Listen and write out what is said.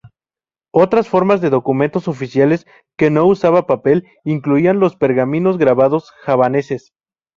Otras formas de documentos oficiales, que no usaban papel, incluían los pergaminos grabados javaneses.